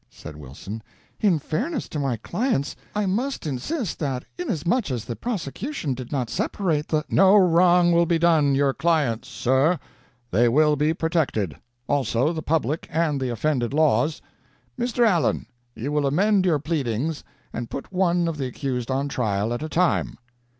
said Wilson, "in fairness to my clients I must insist that inasmuch as the prosecution did not separate the " "No wrong will be done your clients, sir they will be protected; also the public and the offended laws. Mr. Allen, you will amend your pleadings, and put one of the accused on trial at a time."